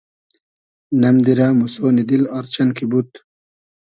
نئم دیرۂ موسۉنی دیل آر چئن کی بود